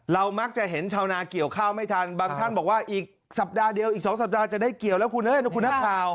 มักจะเห็นชาวนาเกี่ยวข้าวไม่ทันบางท่านบอกว่าอีกสัปดาห์เดียวอีก๒สัปดาห์จะได้เกี่ยวแล้วคุณเอ้ยคุณนักข่าว